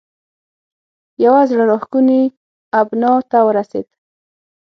یوه زړه راښکونې ابنا ته ورسېد.